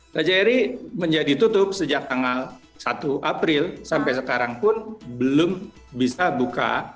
kjri menjadi tutup sejak tanggal satu april sampai sekarang pun belum bisa buka